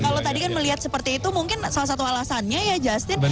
kalau tadi kan melihat seperti itu mungkin salah satu alasannya ya justin